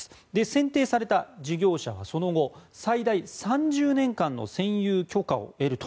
選定された事業者のその後最大３０年間の占有許可を得ると。